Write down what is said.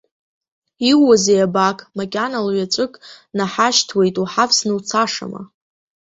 Иууазеи абаак, макьана лҩаҵәык наҳашьҭуеит, уҳавсны уцашама.